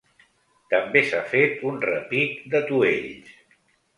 També s’ha fet un repic d’atuells.